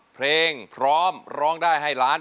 เพลงพร้อมร้องได้ให้ล้าน